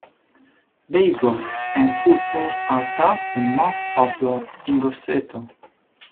Baseball and football are perhaps the most popular in Grosseto.